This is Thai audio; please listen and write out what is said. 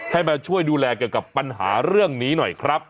ให้มาช่วยดูแลเกี่ยวกับปัญหาเรื่องนี้หน่อยครับ